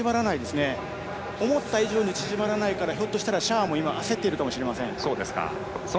思った以上に縮まらないからひょっとしたらシェアも焦っているかもしれません。